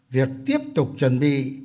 việc tiếp tục chuẩn bị